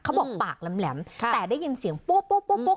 เขาบอกปากแหลมแหลมค่ะแต่ได้ยินเสียงโป๊ะโป๊ะโป๊ะโป๊ะ